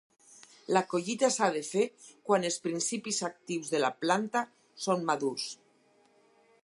La collita s'ha de fer quan els principis actius de la planta són madurs.